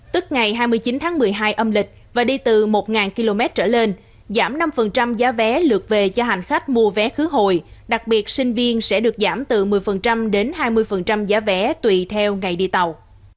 tức ngày hai mươi chín tháng một mươi hai âm lịch và đi từ một km trở lên giảm năm giá vé lượt về cho hành khách mua vé khứ hồi đặc biệt sinh viên sẽ được giảm từ một mươi đến hai mươi giá vé tùy theo ngày đi tàu